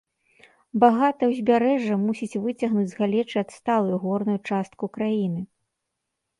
Багатае ўзбярэжжа мусіць выцягнуць з галечы адсталую горную частку краіны.